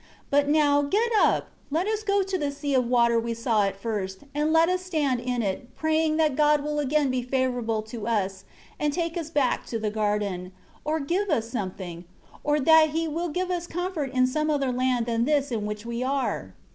3 But now, get up, let us go to the sea of water we saw at first, and let us stand in it, praying that God will again be favorable to us and take us back to the garden; or give us something; or that He will give us comfort in some other land than this in which we are."